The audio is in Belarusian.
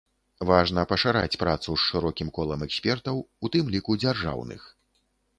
Важна пашыраць працу з шырокім колам экспертаў, у тым ліку дзяржаўных.